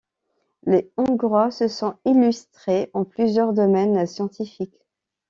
Les Hongrois se sont illustrés en plusieurs domaines scientifiques.